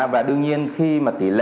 và đương nhiên khi mà tỷ lệ